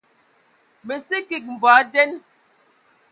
Mə sə kig mvɔi nden.